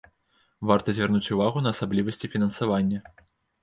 Варта звярнуць увагу на асаблівасці фінансавання.